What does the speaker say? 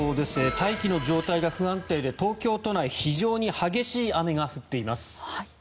大気の状態が不安定で東京都内非常に激しい雨が降っています。